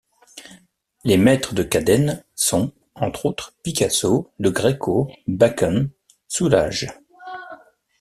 Les maîtres de Cadène sont, entre autres, Picasso, Le Greco, Bacon, Soulages.